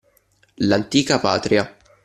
L’antica patria